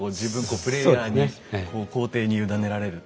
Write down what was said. こうプレイヤーに皇帝に委ねられる。